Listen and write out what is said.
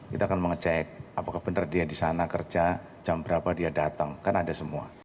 kita akan mengecek apakah benar dia di sana kerja jam berapa dia datang kan ada semua